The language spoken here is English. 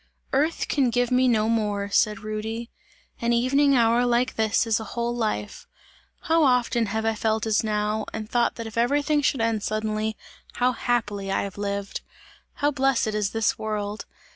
"Earth can give me no more," said Rudy, "an evening hour like this is a whole life! How often have I felt as now, and thought that if everything should end suddenly, how happily have I lived! How blessed is this world!